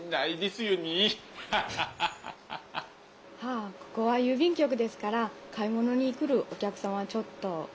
あここは郵便局ですから買い物に来るお客様はちょっと。